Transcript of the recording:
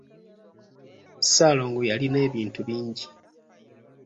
Ssaalongo yalina ebintu bingi.